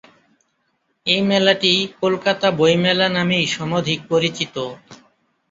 এই মেলাটি কলকাতা বইমেলা নামেই সমধিক পরিচিত।